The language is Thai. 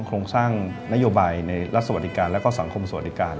โครงสร้างนโยบายในรัฐสวัสดิการและก็สังคมสวัสดิการ